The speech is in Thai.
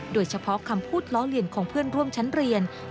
โดยเฉพาะคำพูดล้อเลียนของเพื่อนร่วมชั้นเรียน